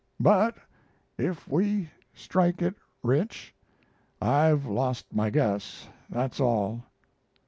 "But if we strike it rich I've lost my guess, that's all."